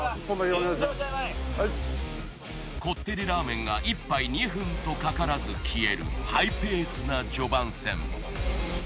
こってりラーメンが１杯２分とかからず消えるハイペースな序盤戦。